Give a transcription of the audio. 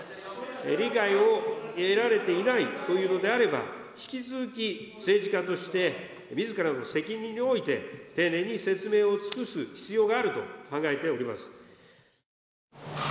理解を得られていないというのであれば、引き続き政治家として、みずからの責任において、丁寧に説明を尽くす必要があると考えております。